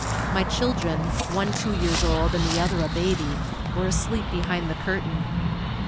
My children, one two years old and the other a baby, were asleep behind the curtain.